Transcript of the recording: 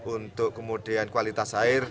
untuk kemudian kualitas air